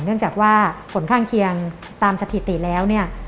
เนื่องจากว่าผลข้างเคียงตามสถิติแล้วเนี่ย